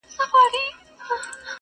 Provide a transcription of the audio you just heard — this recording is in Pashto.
پرون زېری سو د سولي چا کرار پوښتنه وکړه٫